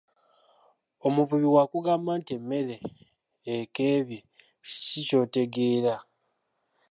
Omuvubi bwakugamba nti emmere ekebye kiki ky'otegeera?